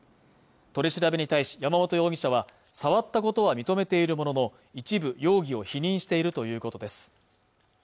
取り調べに対し山本容疑者は触ったことは認めているものの一部容疑を否認しているということです